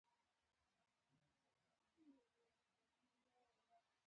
احمد شاه بابا د دښمن سره په زړورتیا مقابله کوله.